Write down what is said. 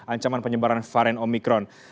ancaman penyebaran varen omikron